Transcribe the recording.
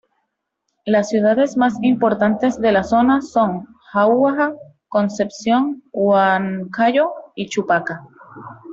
Las ciudades más importantes de la zona son Jauja, Concepción, Huancayo, Chupaca.